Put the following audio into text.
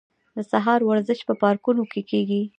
د سهار ورزش په پارکونو کې کیږي.